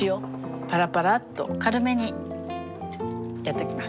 パラパラッと軽めにやっときます。